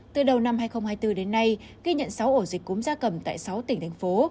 từ đầu năm hai nghìn hai mươi bốn đến nay ghi nhận sáu ổ dịch cúm gia cầm tại sáu tỉnh thành phố